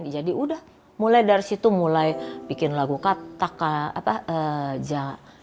jadi udah mulai dari situ mulai bikin lagu kataka